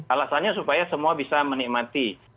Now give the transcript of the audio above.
alasannya supaya semua bisa menikmati